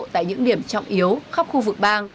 tại những điểm trọng yếu khắp khu vực bang